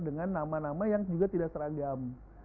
dengan nama nama yang juga tidak seragam